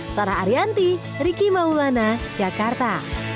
sarah arianti riki maulana jakarta